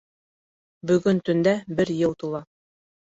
Бөгөн төндә бер йыл тула.